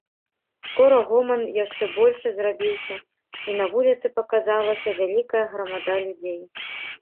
Скора гоман яшчэ большы зрабіўся, і на вуліцы паказалася вялікая грамада людзей.